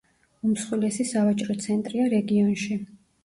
უმსხვილესი სავაჭრო ცენტრია რეგიონში.